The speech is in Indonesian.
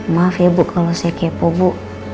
maaf ya bu kalau saya kepo bu